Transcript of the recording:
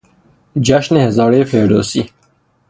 جشن هزارهی فردوسی